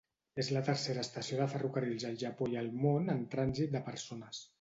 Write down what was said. És la tercera estació de ferrocarrils al Japó i al món en trànsit de persones.